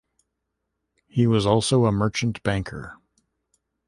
He was also a merchant banker.